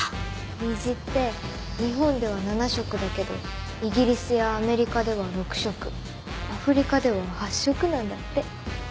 虹って日本では７色だけどイギリスやアメリカでは６色アフリカでは８色なんだって。